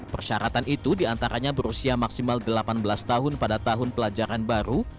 persyaratan itu diantaranya berusia maksimal delapan belas tahun pada tahun pelajaran baru